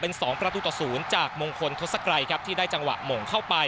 เป็น๒ประตูต่อ๐จากมงคลธสกรัยที่ได้จังหวะโมงเข้าไป